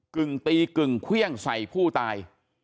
กึ่งตีกึ่งเครื่องใส่ผู้ตาย